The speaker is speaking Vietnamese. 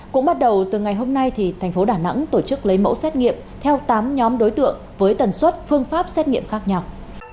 cũng bắt đầu từ ngày hôm nay thành phố đà nẵng tổ chức lấy mẫu xét nghiệm theo tám nhóm đối tượng với tần suất phương pháp xét nghiệm khác nhau